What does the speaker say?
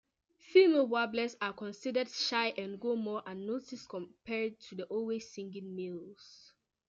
Female warblers are considered shy and go more unnoticed compared to the always-singing males.